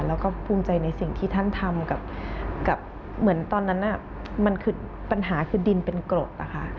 แล้วก็ภูมิใจในสิ่งที่ท่านทำกับเหมือนตอนนั้นมันคือปัญหาคือดินเป็นกรดนะคะ